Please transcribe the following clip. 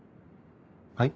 はい？